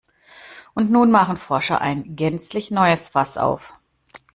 Und nun machen Forscher ein gänzlich neues Fass auf.